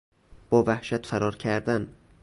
با وحشت فرار کردن